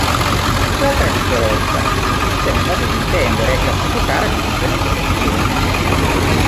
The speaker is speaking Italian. L'altra differenza sussiste nel modo di intendere e classificare le funzioni intellettive.